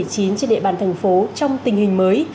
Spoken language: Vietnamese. trên địa bàn thành phố trong tình hình mới